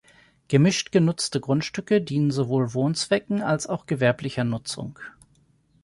Gemischt genutzte Grundstücke dienen sowohl Wohnzwecken als auch gewerblicher Nutzung.